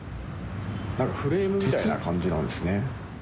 なんかフレームみたいな感じなんですね。